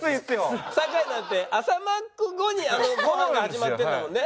酒井なんて朝マック後にあのご飯が始まってるんだもんね。